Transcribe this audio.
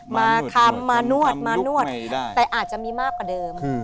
มาทำมานวดมานวดแต่อาจจะมีมากกว่าเดิม